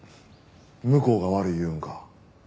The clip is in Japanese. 向こうが悪い言うんか？